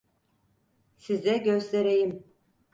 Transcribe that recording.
Size göstereyim.